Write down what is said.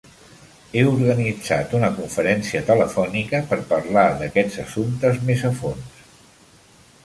He organitzat una conferència telefònica per parlar d'aquests assumptes més a fons.